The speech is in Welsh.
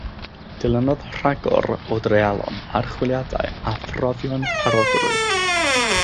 Dilynodd rhagor o dreialon, archwiliadau, a phrofion parodrwydd.